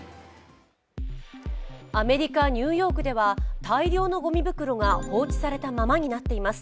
アメリカ・ニューヨークでは大量のごみ袋が放置されたままになっています。